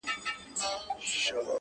ما په تمه د درملو ورته عُمر دی خوړلی-